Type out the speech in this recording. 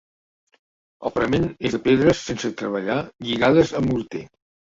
El parament és de pedres sense treballar lligades amb morter.